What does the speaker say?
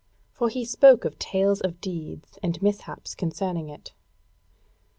For he spoke of tales of deeds and mishaps concerning it."